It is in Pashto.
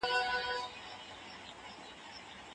د ستونزو منل د ژوند اړتیا ده.